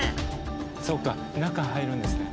そうか中入るんですね。